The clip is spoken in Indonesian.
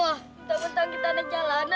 gak tau kita ada jalanan apa